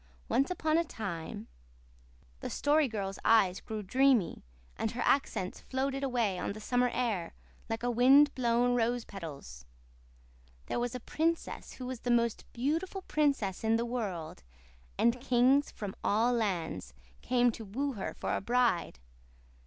Once upon a time" the Story Girl's eyes grew dreamy, and her accents floated away on the summer air like wind blown rose petals "there was a princess who was the most beautiful princess in the world, and kings from all lands came to woo her for a bride.